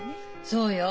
そうよ。